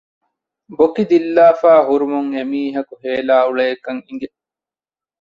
ބޮކި ދިއްލާފައި ހުރުމުން އެމީހަކު ހޭލާ އުޅޭކަން އިނގެ